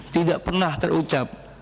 tidak pernah terucap